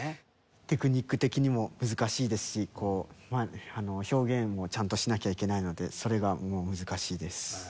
テクニック的にも難しいですし表現もちゃんとしなきゃいけないのでそれが難しいです。